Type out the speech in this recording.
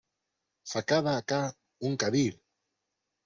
¡ sacad acá un candil!...